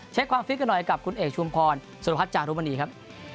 ความฟิตกันหน่อยกับคุณเอกชุมพรสุรพัฒนจารุมณีครับ